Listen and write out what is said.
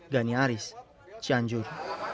gani aris cianjur